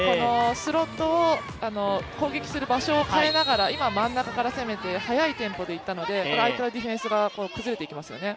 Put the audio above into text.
スロットを攻撃する場所を変えながら、今真ん中から攻めて、速いテンポでいったので、相手のディフェンスが崩れていきますよね。